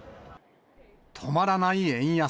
止まらない円安。